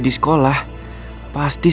di sekolah pasti